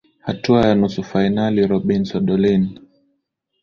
hatua ya nusu fainali robin sodolin